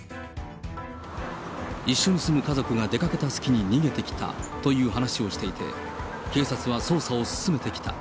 一緒に住む家族が出かけた隙に逃げてきたという話をしていて、警察は捜査を進めてきた。